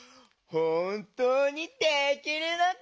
ほんとうにできるのか？